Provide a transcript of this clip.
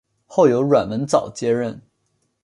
后由阮文藻接任。